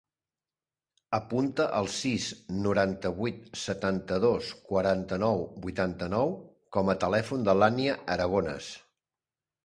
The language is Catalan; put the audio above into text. Apunta el sis, noranta-vuit, setanta-dos, quaranta-nou, vuitanta-nou com a telèfon de l'Ànnia Aragones.